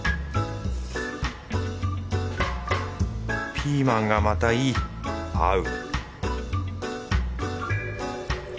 ピーマンがまたいい！合う